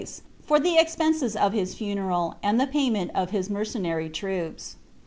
133 liaise, for the expenses of his funeral, and the payment of his merce iry troops.'